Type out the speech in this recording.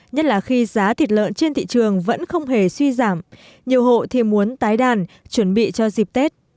nhất là khi giá thịt lợn trên thị trường vẫn không hề suy giảm nhiều hộ thì muốn tái đàn chuẩn bị cho dịp tết